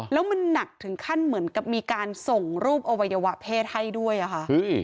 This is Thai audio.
แล้วมันหนักถึงขั้นเหมือนกับมีการส่งรูปอวัยวะเพศให้ด้วยอะค่ะ